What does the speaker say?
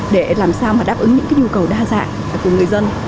để làm sao mà đáp ứng những nhu cầu đa dạng của người dân